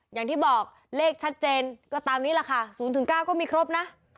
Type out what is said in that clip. อย่างที่บอกเลขชัดเจนก็ตามนี้แหละค่ะ๐๙ก็มีครบนะ